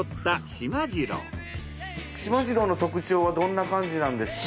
しまじろうの特徴はどんな感じなんですか？